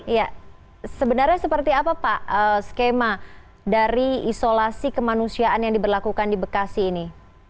ya sebenarnya seperti apa pak skema dari isolasi kemanusiaan yang diberlakukan di bekasi ini